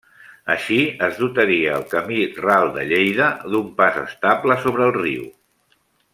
Així es dotaria al camí ral de Lleida un pas estable sobre el riu.